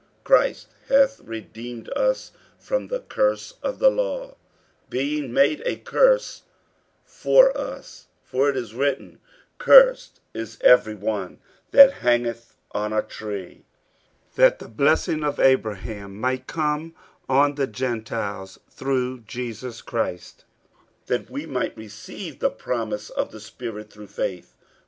48:003:013 Christ hath redeemed us from the curse of the law, being made a curse for us: for it is written, Cursed is every one that hangeth on a tree: 48:003:014 That the blessing of Abraham might come on the Gentiles through Jesus Christ; that we might receive the promise of the Spirit through faith.